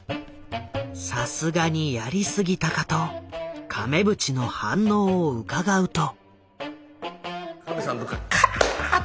さすがにやりすぎたかと亀渕の反応をうかがうと。